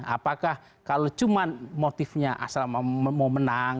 apakah kalau cuma motifnya asal mau menang